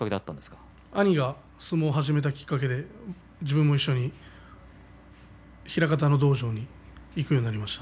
兄が相撲を始めたきっかけで自分も枚方の道場に行くようになりました。